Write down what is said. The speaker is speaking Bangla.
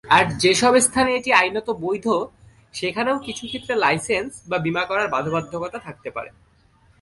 আর যেসব স্থানে এটি আইনত বৈধ, সেখানেও কিছু ক্ষেত্রে লাইসেন্স বা বীমা করার বাধ্যবাধকতা থাকতে পারে।